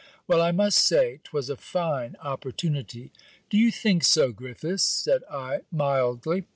Well, I must say 'twas a fine opportunity!' 'Do you think so, Griffiths?' said I mildly.